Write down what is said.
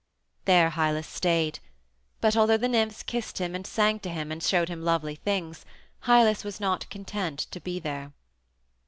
There Hylas stayed. But although the nymphs kissed him and sang to him, and showed him lovely things, Hylas was not content to be there.